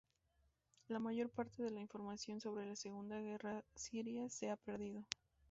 La mayor parte de la información sobre la Segunda Guerra Siria se ha perdido.